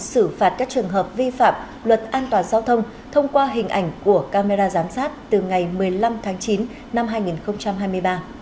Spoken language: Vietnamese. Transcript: xử phạt các trường hợp vi phạm luật an toàn giao thông thông qua hình ảnh của camera giám sát từ ngày một mươi năm tháng chín năm hai nghìn hai mươi ba